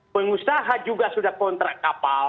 pengusaha juga sudah kontrak kapal